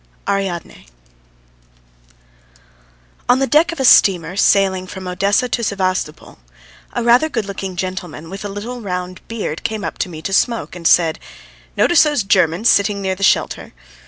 ARIADNE ON the deck of a steamer sailing from Odessa to Sevastopol, a rather good looking gentleman, with a little round beard, came up to me to smoke, and said: "Notice those Germans sitting near the shelter?